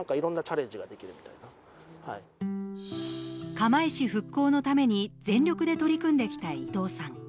釜石市復興のために全力で取り組んできた伊藤さん。